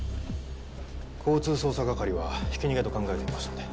交通捜査係はひき逃げと考えていますので。